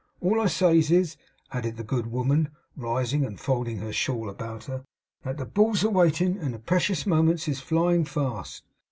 All I says is,' added the good woman, rising and folding her shawl about her, 'that the Bull's a waitin, and the precious moments is a flyin' fast.